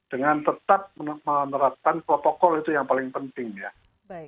dengan tetap menerapkan protokol itu yang paling penting ya